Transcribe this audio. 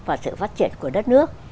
và sự phát triển của đất nước